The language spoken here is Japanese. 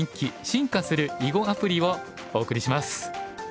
進化する囲碁アプリ」をお送りします。